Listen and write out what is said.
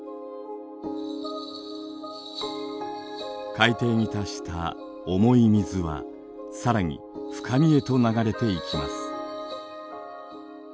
海底に達した重い水は更に深みへと流れていきます。